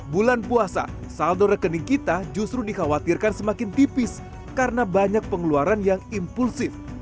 bulan puasa saldo rekening kita justru dikhawatirkan semakin tipis karena banyak pengeluaran yang impulsif